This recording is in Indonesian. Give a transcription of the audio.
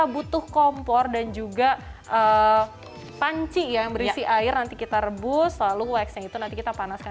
butuh kompor dan juga panci yang berisi air nanti kita rebus lalu waxnya itu nanti kita panaskan